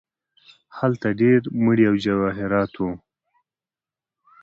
هلته ډیر مړي او جواهرات وو.